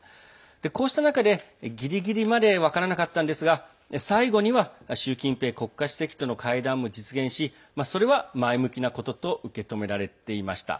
こうした中で、ギリギリまで分からなかったんですが最後には習近平国家主席との会談も実現しそれは前向きなことと受け止められていました。